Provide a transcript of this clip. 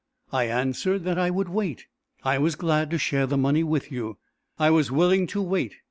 I answered that I would wait. I was glad to share the money with you. I was willing to wait.